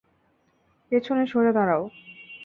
পেছনে সড়ে দাঁড়াও।